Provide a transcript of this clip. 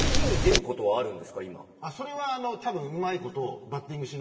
それはたぶんうまいこと。